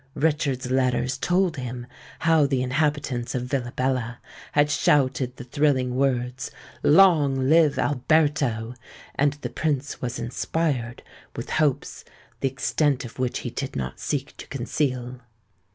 Richard's letters told him how the inhabitants of Villabella had shouted the thrilling words "Long live Alberto!"—and the Prince was inspired with hopes the extent of which he did not seek to conceal.